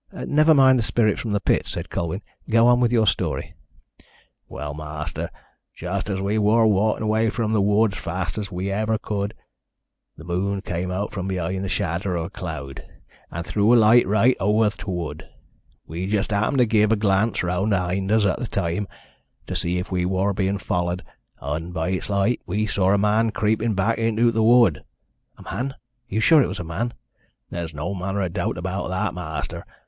"Never mind the spirit from the pit," said Colwyn. "Go on with your story." "Well, ma'aster, just as we wor walkin' away from th' wood as fast as ever we could, th' mune come out from behind th' shadder of a cloud, and threw a light right ower th' wood. We just happened to give a glance round ahind us at th' time, to see if we wor bein' follered, and, by its light, we saw a man a creepin' back into th' wood." "A man? Are you sure it was a man?" "There's no manner o' doubt about that, ma'aster.